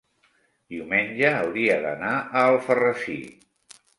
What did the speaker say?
Diumenge hauria d'anar a Alfarrasí.